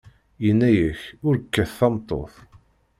Yenna-ak ur kkat tameṭṭut.